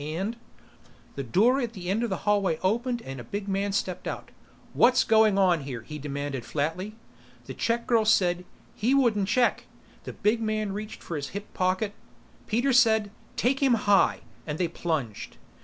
"And " The door at the end of the hallway opened and a big man stepped out. "What's going on here?" he demanded flatly. The check girl said, "He wouldn't check ..." The big man reached for his hip pocket. Peter said, "Take him high!" and they plunged.